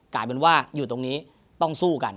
กลายเป็นว่าอยู่ตรงนี้ต้องสู้กัน